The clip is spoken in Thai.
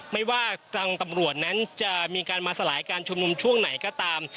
ไม่ว่าทางตำรวจนั้นจะมีการมาสลายการชุมนุมช่วงไหนก็ตาม